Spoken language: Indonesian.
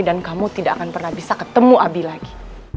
dan kamu tidak akan pernah bisa ketemu abi lagi